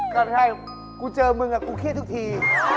ก็ใช่กูเจอมึงกูเครียดทุกที